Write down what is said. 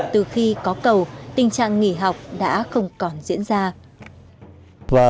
từ khi có cầu tình trạng nghỉ học đã không còn diễn ra